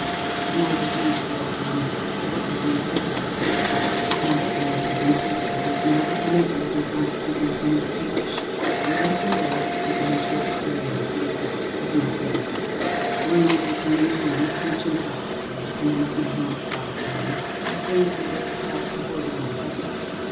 But my disease grew upon me—for what disease is like Alcohol!—and at length even Pluto, who was now becoming old, and consequently somewhat peevish—even Pluto began to experience the effects of my ill temper. One night, returning home, much intoxicated, from one of my haunts about town, I fancied that the cat avoided my presence.